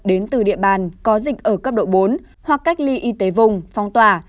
đến từ địa bàn có dịch ở cấp độ bốn hoặc cách ly y tế vùng phong tỏa